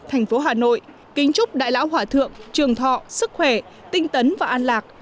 thành phố hà nội kính chúc đại lão hỏa thượng trường thọ sức khỏe tinh tấn và an lạc